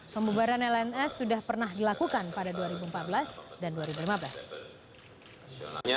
pembubaran lns sudah pernah dilakukan pada dua ribu empat belas dan dua ribu lima belas